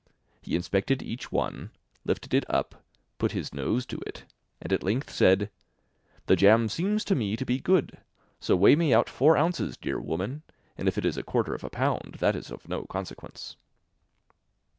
He inspected each one, lifted it up, put his nose to it, and at length said: 'The jam seems to me to be good, so weigh me out four ounces, dear woman, and if it is a quarter of a pound that is of no consequence.